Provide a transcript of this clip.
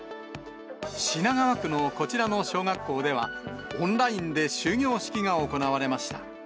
品川区のこちらの小学校では、オンラインで終業式が行われました。